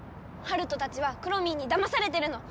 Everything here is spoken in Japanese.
ハルトたちはくろミンにだまされてるの！